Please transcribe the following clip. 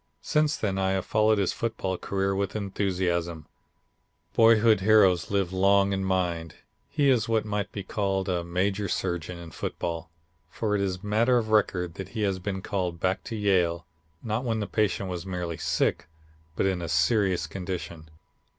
Since then I have followed his football career with enthusiasm. Boyhood heroes live long in mind. He is what might be called a major surgeon in football, for it is a matter of record that he has been called back to Yale, not when the patient was merely sick, but in a serious condition.